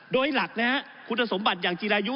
โดยหลักนะฮะคุณสมบัติอย่างจีรายุ